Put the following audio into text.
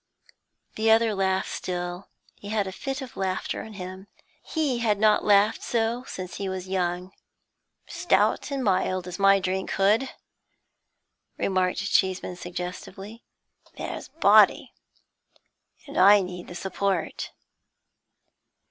The other laughed still; he had a fit of laughter on him; he had not laughed so since he was young. 'Stout and mild is my drink, Hood,' remarked Cheeseman, suggestively. 'It has body, and I need the support.'